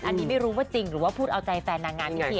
อันนี้ไม่รู้ว่าจริงหรือว่าพูดเอาใจแฟนนางงามพิธี